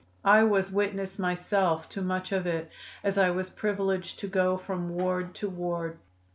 I was witness myself to much of it, as I was privileged to go from ward to ward.